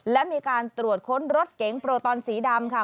และมีการตรวจค้นรถเก๋งโปรตอนสีดำค่ะ